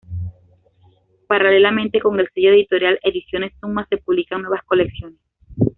Paralelamente con el sello editorial Ediciones Summa se publican nuevas colecciones.